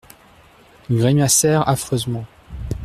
Ils grimacèrent affreusement.